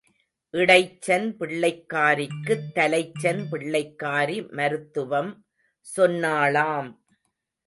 இடைச்சன் பிள்ளைக்காரிக்குத் தலைச்சன் பிள்ளைக்காரி மருத்துவம் சொன்னாளாம்.